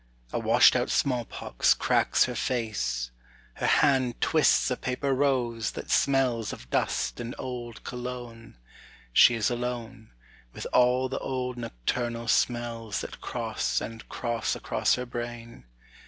A washed out smallpox cracks her face, Her hand twists a paper rose, That smells of dust and old Cologne, She is alone With all the old nocturnal smells That cross and cross across her brain.